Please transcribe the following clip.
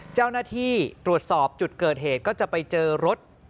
เจ้าหน้าที่ตรวจสอบจุดเกิดเหตุก็จะไปเจอรถ